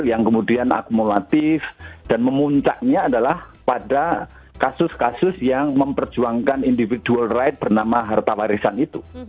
yang kemudian akumulatif dan memuncaknya adalah pada kasus kasus yang memperjuangkan individual right bernama harta warisan itu